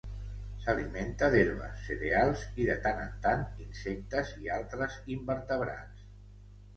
S'alimenta d'herbes, cereals i, de tant en tant, insectes i altres invertebrats.